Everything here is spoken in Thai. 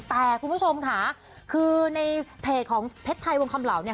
แต่คุณผู้ชมค่ะคือในเพจของเพชรไทยวงคำเหล่าเนี่ย